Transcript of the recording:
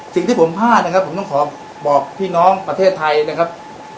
สิ่งที่ผมพลาดนะครับผมต้องขอบอกพี่น้องประเทศไทยนะครับ